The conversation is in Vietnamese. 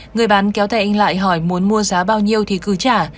người bán kéo tay anh lại hỏi muốn mua giá bao nhiêu thì cứ trả